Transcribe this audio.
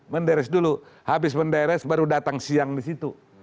menderes dulu habis menderes baru datang siang disitu